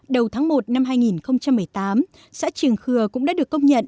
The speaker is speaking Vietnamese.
đầu tháng một năm hai nghìn một mươi tám xã trường khừa cũng đã được công nhận